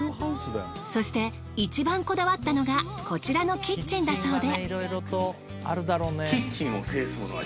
そしていちばんこだわったのがこちらのキッチンだそうで。